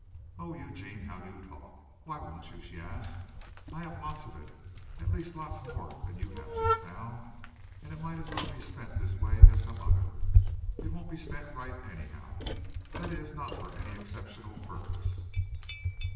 "Oh, Eugene, how you talk. Why won't you?" she asked. "I have lots of it at least lots more than you have just now. And it might as well be spent this way as some other. It won't be spent right anyhow that is not for any exceptional purpose.